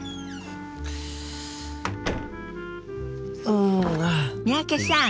うん。